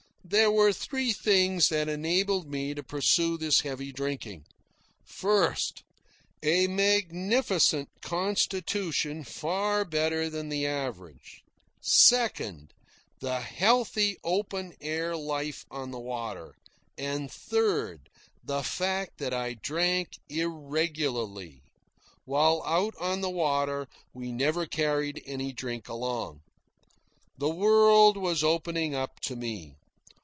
There were three things that enabled me to pursue this heavy drinking: first, a magnificent constitution far better than the average; second, the healthy open air life on the water; and third, the fact that I drank irregularly. While out on the water, we never carried any drink along. The world was opening up to me.